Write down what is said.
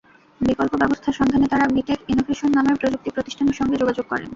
বিকল্প ব্যবস্থার সন্ধানে তাঁরা বিটেক ইনোভেশন নামের প্রযুক্তি প্রতিষ্ঠানের সঙ্গে যোগাযোগ করেন।